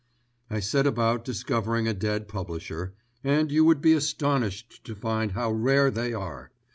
"I set about discovering a dead publisher, and you would be astonished to find how rare they are.